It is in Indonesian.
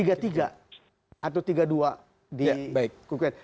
atau tiga dua di kuikun